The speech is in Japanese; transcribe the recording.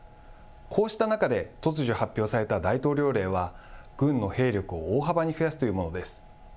こうした中で、突如発表された大統領令は、軍の兵力を大幅に増やすというものです。